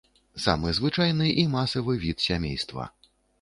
Самы звычайны і масавы від сямейства.